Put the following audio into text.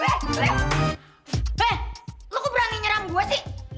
hei lo kok berani nyeram gue sih